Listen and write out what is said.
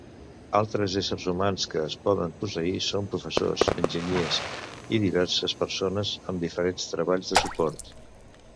Altres éssers humans que es poden posseir són professors, enginyers i diverses persones amb diferents treballs de suport.